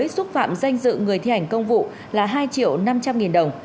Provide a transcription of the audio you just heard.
xúc phạm danh dự người thi hành công vụ là hai triệu năm trăm linh nghìn đồng